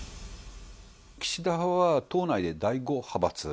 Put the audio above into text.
岸田派は党内で第５派閥。